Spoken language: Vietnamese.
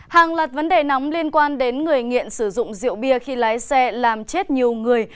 hàng loạt vấn đề nóng liên quan đến người nghiện sử dụng rượu bia khi lái xe làm chết nhiều người